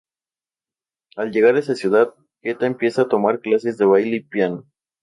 Al llegar a esa ciudad, Queta empieza a tomar clases de baile y piano.